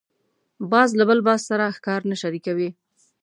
باز له بل باز سره ښکار نه شریکوي